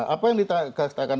apa yang dikatakan